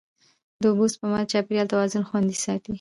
د اوبو سپما د چاپېریال توازن خوندي ساتي.